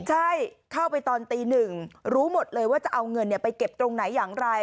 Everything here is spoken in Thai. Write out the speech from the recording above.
ใช่เข้าไปตอนตีหนึ่งรู้หมดเลยว่าจะเอาเงินไปเก็บตรงไหนอย่างไร